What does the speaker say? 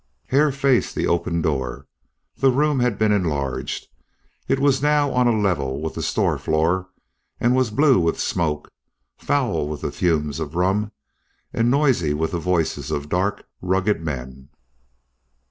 Hare faced the open door. The room had been enlarged; it was now on a level with the store floor, and was blue with smoke, foul with the fumes of rum, and noisy with the voices of dark, rugged men.